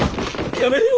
やめれよ。